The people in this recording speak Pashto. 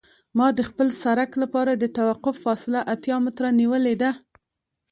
ما د خپل سرک لپاره د توقف فاصله اتیا متره نیولې ده